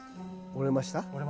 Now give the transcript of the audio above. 折れました。